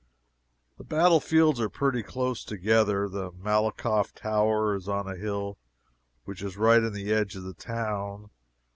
The battle fields were pretty close together. The Malakoff tower is on a hill which is right in the edge of the town.